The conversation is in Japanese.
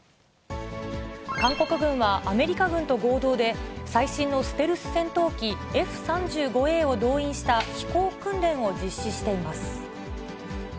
韓国軍はアメリカ軍と合同で、最新のステルス戦闘機、Ｆ３５Ａを動員した飛行訓練を実施しています。